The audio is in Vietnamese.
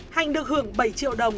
hạnh được hưởng bảy triệu đồng